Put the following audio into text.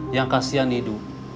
yang kasihan didu